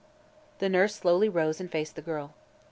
The nurse slowly rose and faced the girl.